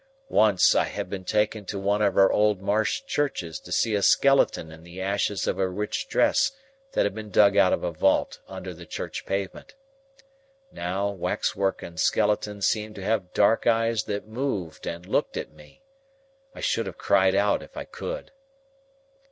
Once, I had been taken to one of our old marsh churches to see a skeleton in the ashes of a rich dress that had been dug out of a vault under the church pavement. Now, waxwork and skeleton seemed to have dark eyes that moved and looked at me. I should have cried out, if I could.